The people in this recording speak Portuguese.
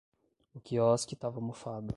O quiosque tava mofado